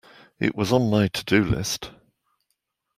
It was on my to-do list.